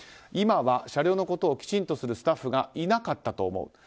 今は車両のことをきちんとするスタッフがいなかったと思う。